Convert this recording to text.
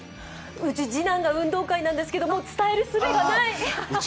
うち次男が運動会なんですけれども、伝えるすべがない。